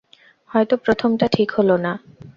হয়তো প্রথমটা ঠিক হল না।